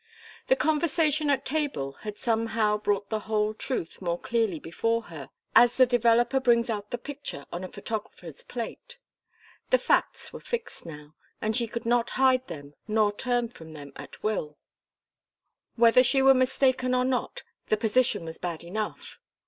The conversation at table had somehow brought the whole truth more clearly before her, as the developer brings out the picture on a photographer's plate. The facts were fixed now, and she could not hide them nor turn from them at will. Whether she were mistaken or not, the position was bad enough.